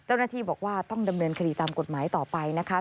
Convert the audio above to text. เจ้าหน้าที่บอกว่าต้องดำเนินคดีตามกฎหมายต่อไปนะคะ